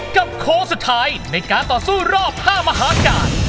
โค้งสุดท้ายในการต่อสู้รอบ๕มหาการ